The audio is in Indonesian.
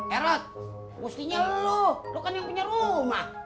erot mustinya lo lo kan yang punya rumah